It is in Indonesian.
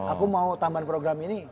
aku mau tambahin program ini